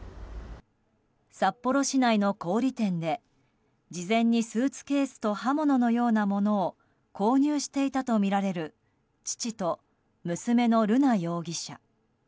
札幌市内の小売店で事前にスーツケースと刃物のようなものを購入していたとみられる父と、娘の瑠奈容疑者。